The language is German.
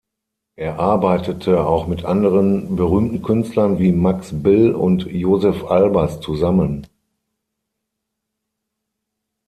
Er arbeitete auch mit anderen berühmten Künstlern wie Max Bill und Josef Albers zusammen.